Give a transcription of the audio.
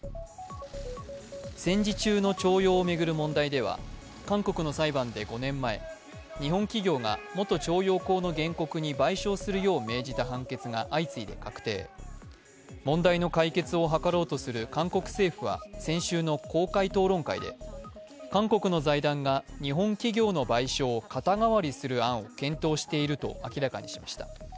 戦時中の徴用を巡る問題では、韓国の裁判で５年前、日本企業が元徴用工の原告に賠償するよう命じた判決が相次いで確定、問題の解決を図ろうとする韓国政府は先週の公開討論会で韓国の財団が日本企業の賠償を肩代わりする案を検討していると明らかにしました。